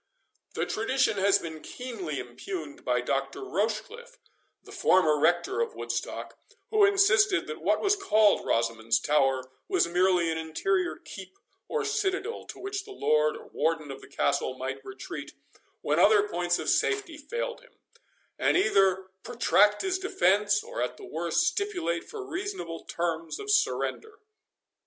This tradition had been keenly impugned by Dr. Rochecliffe, the former rector of Woodstock, who insisted, that what was called Rosamond's Tower, was merely an interior keep, or citadel, to which the lord or warden of the castle might retreat, when other points of safety failed him; and either protract his defence, or, at the worst, stipulate for reasonable terms of surrender.